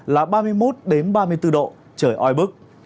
là ba mươi một ba mươi bốn độ trời oi bức